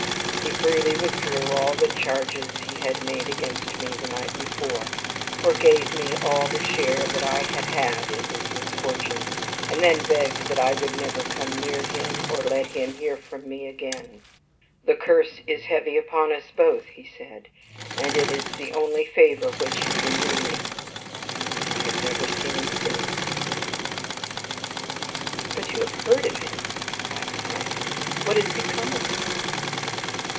He freely withdrew all the charges he had made against me the night before; forgave me all the share that I had had in his misfortunes; and then begged that I would never come near him, or let him hear from me again. 'The curse is heavy upon us both,' he said, 'and it is the only favor which you can do me.' I have never seen him since." "But you have heard of him!" I exclaimed; "what has become of him?"